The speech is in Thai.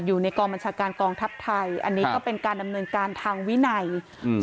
อยู่ในกองบัญชาการกองทัพไทยอันนี้ก็เป็นการดำเนินการทางวินัยอืม